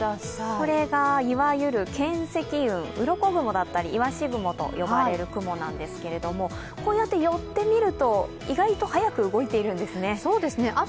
これがいわゆる巻積雲、うろこ雲だったり、いわし雲と呼ばれる雲なんですけど、こうやって寄ってみると意外と速く動いているんですね。